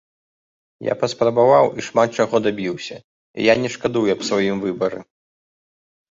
Я паспрабаваў і шмат чаго дабіўся, і я не шкадую аб сваім выбары.